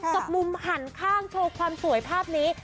กับมุมหันข้างโชว์ความสวยภาพนี้